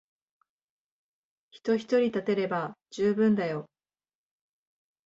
人ひとり立てれば充分だよ。